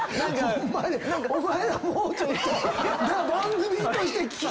ホンマにお前らもうちょっと番組として聞け！